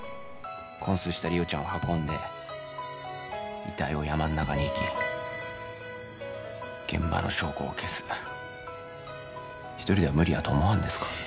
こん睡した梨央ちゃんを運んで遺体を山ん中に遺棄現場の証拠を消す一人では無理やと思わんですか？